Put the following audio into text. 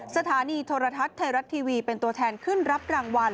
สถานีโทรทัศน์ไทยรัฐทีวีเป็นตัวแทนขึ้นรับรางวัล